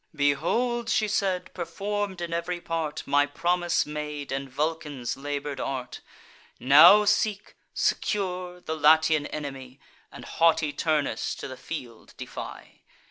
"Behold," she said, "perform'd in ev'ry part, My promise made, and Vulcan's labour'd art. Now seek, secure, the Latian enemy, And haughty Turnus to the field defy."